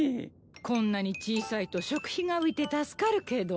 こんなに小さいと食費が浮いて助かるけど。